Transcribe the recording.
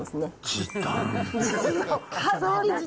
時短。